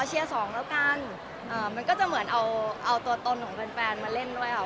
เชียร์สองแล้วกันมันก็จะเหมือนเอาตัวตนของแฟนมาเล่นด้วยค่ะ